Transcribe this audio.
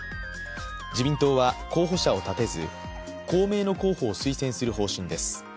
自民党は候補者を立てず、公明の候補を推薦する方針です。